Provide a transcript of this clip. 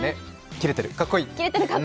キレてる、かっこいい。